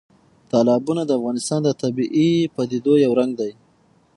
تالابونه د افغانستان د طبیعي پدیدو یو رنګ دی.